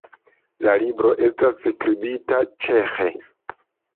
La libro estas skribita ĉeĥe.